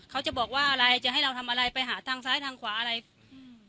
เขาจะบอกว่าอะไรจะให้เราทำอะไรไปหาทางซ้ายทางขวาอะไรอืม